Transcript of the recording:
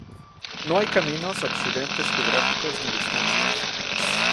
No hay caminos, accidentes geográficos ni distancias.